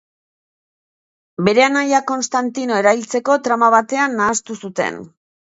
Bere anaia Konstantino erailtzeko trama batean nahastu zuten.